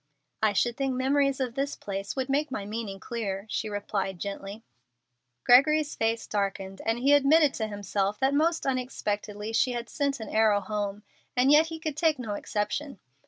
"I should think memories of this place would make my meaning clear," she replied, gently. Gregory's face darkened, and he admitted to himself that most unexpectedly she had sent an arrow home, and yet he could take no exception.